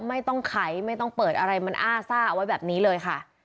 ไม่ต้องไขไม่ต้องเปิดอะไรมันอ้าซ่าเอาไว้แบบนี้เลยค่ะ